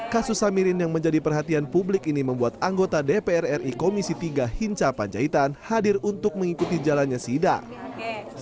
kasus samirin yang menjadi perhatian publik ini membuat anggota dpr ri komisi tiga hinca panjaitan hadir untuk mengikuti jalannya sidang